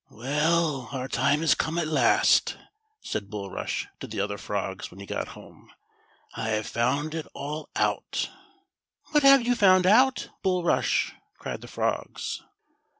"Well, our time is come at last," said Bulrush to the other frogs when he got home ;" I have found it all out," "What have you found out. Bulrush.'" cried the frogs.